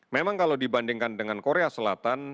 memang kalau dibandingkan dengan korea selatan